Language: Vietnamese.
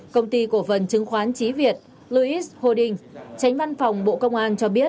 công ty cổ vần chứng khoán chí việt louis hô đinh tránh văn phòng bộ công an cho biết